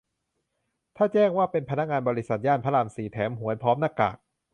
ถ้าแจ้งว่าเป็นพนักงานบริษัท ย่านพระรามสี่ แถมหวยพร้อมหน้ากาก